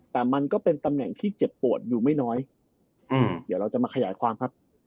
แต่มันก็เป็นตำแหน่งที่เจ็บปวดอยู่ไม่น้อยอืมเดี๋ยวเราจะมาขยายความครับ